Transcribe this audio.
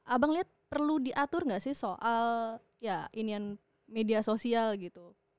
abang lihat perlu diatur gak sih soal media sosial gitu